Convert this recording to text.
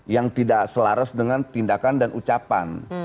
yang tidak selaras dengan tindakan dan ucapan